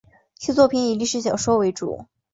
其作品以历史小说为主。